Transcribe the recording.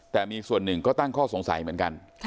แต่มีส่วนหนึ่งก็ตั้งข้อสงสัยเหมือนกัน